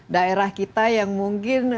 daerah kita yang mungkin